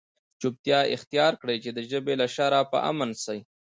چوپتیا اختیار کړئ! چي د ژبي له شره په امن سئ.